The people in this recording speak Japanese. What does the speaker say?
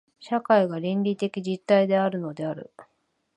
社会が倫理的実体であるのである。